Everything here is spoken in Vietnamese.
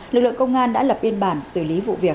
lực lượng công an đã lập biên bản xử lý vụ việc